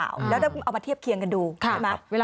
พ่อแบมนี่แหละ